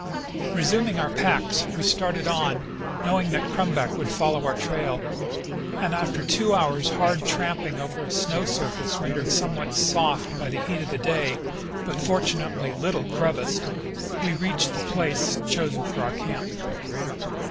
Resuming our packs, we started on, knoAAdng that Crum back would follow our trail ; and after two hours' hard tramping over a snow surface rendered somewhat soft by the heat of the day, but fortunately little crevassed, we reached the place chosen for our camp.